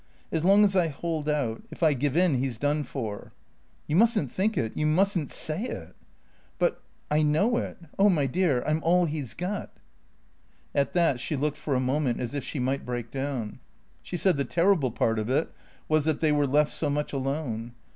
"As long as I hold out. If I give in he's done for." "You mustn't think it. You mustn't say it!" "But I know it. Oh, my dear! I'm all he's got." At that she looked for a moment as if she might break down. She said the terrible part of it was that they were left so much alone.